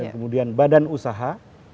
kemudian badan usaha